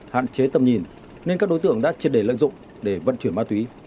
cạn chế tầm nhìn nên các đối tượng đã triệt đề lợi dụng để vận chuyển ma túy